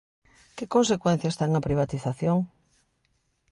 Que consecuencias ten a privatización?